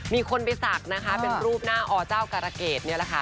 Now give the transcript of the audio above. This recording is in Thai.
มีคนไปศักดิ์นะคะเป็นรูปหน้าอเจ้าการะเกดนี่แหละค่ะ